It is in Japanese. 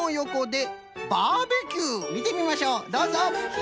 みてみましょうどうぞ。